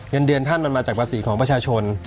เงินเดือนท่านมันมาจากประสิทธิ์ของประชาชน